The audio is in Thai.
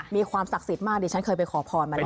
มีความศักดิ์สิทธิ์มากดิฉันเคยไปขอพรมาแล้ว